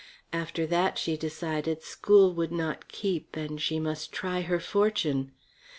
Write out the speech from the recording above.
After that, she decided, school would not keep, and she must try her fortune.